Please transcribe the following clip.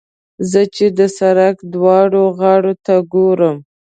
زه چې د سړک دواړو غاړو ته ګورم.